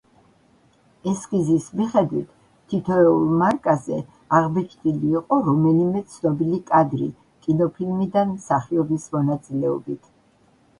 ესკიზის მიხედვით, თითოეულ მარკაზე აღბეჭდილი იყო რომელიმე ცნობილი კადრი კინოფილმიდან მსახიობის მონაწილეობით.